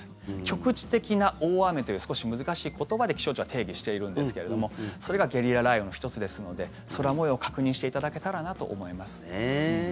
局地的な大雨という少し難しい言葉で気象庁は定義しているんですがそれがゲリラ雷雨の１つですので空模様確認していただけたらなと思います。